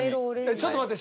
ちょっと待って。